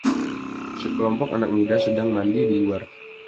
Sekelompok anak muda sedang mandi di luar